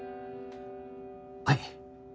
はい。